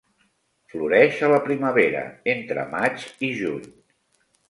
Floreix a la primavera, entre maig i juny.